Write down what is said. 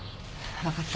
分かった。